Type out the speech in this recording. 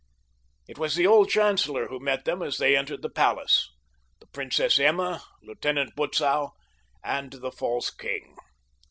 It was the old chancellor who met them as they entered the palace—the Princess Emma, Lieutenant Butzow, and the false king.